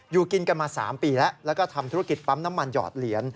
อยู่กินกันมา๓ปีแล้วแล้วก็ทำธุรกิจปั๊มน้ำมันหยอดเหรียญ